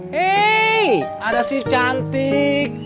hei ada si cantik